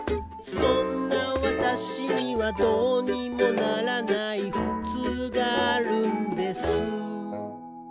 「そんな私には、どうにもならないふつうがあるんです」